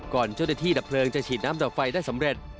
เจ้าหน้าที่ดับเพลิงจะฉีดน้ำดับไฟได้สำเร็จ